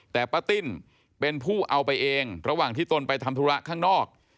แต่ป้าติ้นเป็นผู้เอาไปเองระหว่างที่ตนไปทำธุระข้างนอก